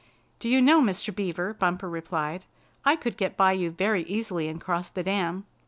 "Do you know, Mr. Beaver," Bumper replied, "I could get by you very easily and cross the dam?